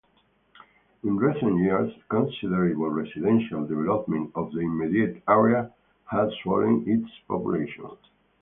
In recent years, considerable residential development of the immediate area has swollen its population.